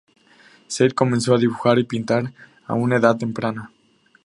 Zeid comenzó a dibujar y pintar a una edad temprana.